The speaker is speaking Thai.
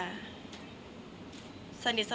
คนรอบตัวขวัดไม่ได้